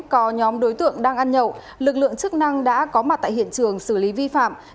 có nhóm đối tượng đang ăn nhậu lực lượng chức năng đã có mặt tại hiện trường xử lý vi phạm